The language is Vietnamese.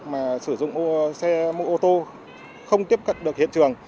mà sử dụng xe mua ô tô không tiếp cận được hiện trường